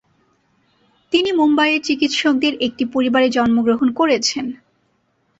তিনি মুম্বইয়ের চিকিৎসকদের একটি পরিবারে জন্মগ্রহণ করেছেন।